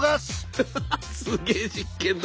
ハハハすげえ実験だ。